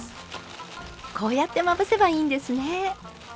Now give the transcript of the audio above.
こうやってまぶせばいいんですね。